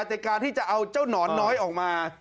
แต่การที่จะเอาเจ้าหนอนน้อยออกมา